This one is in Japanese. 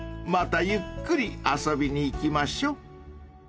［またゆっくり遊びに行きましょう！］